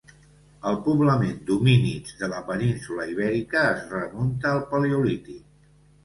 El poblament d'homínids de la península Ibèrica es remunta al paleolític.